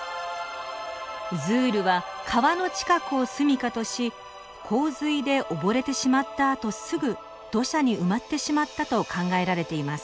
ズールは川の近くを住みかとし洪水で溺れてしまったあとすぐ土砂に埋まってしまったと考えられています。